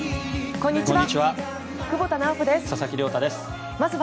こんにちは。